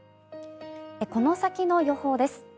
この先の予報です。